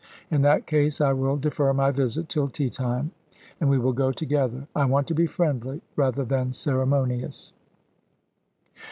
In that case I will defer my visit till tea time, and we will go together. I want to be friendly, rather than ceremonious."